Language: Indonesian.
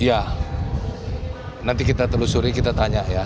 ya nanti kita telusuri kita tanya ya